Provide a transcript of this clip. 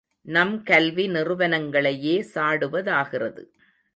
நம் கல்வி நிறுவனங்களையே சாடுவதாகிறது.